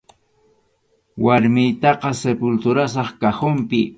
Warmiytaqa sepulturasaq cajonpi.